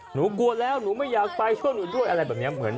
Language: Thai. หนูกลัวแล้วหนูไม่อยากไปช่วยหนูด้วยอะไรแบบนี้